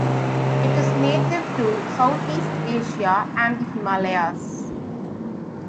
It is native to Southeast Asia and the Himalayas.